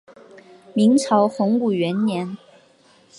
明朝洪武元年。